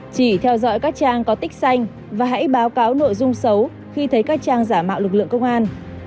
chỉ theo dõi các trang có tích xanh và hãy báo cáo nội dung xấu khi thấy các trang giả mạo lực lượng công an